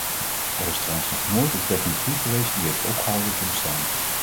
Er is trouwens nog nooit een technologie geweest die heeft opgehouden te bestaan.